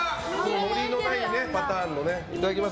のりのないパターンでね。